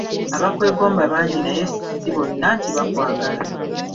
Abakwegomba bangi naye si bonna nti bakwagala.